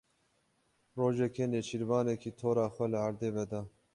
Rojekê nêçîrvanekî tora xwe li erdê veda.